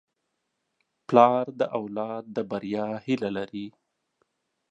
پلار د اولاد د بریا هیله لري.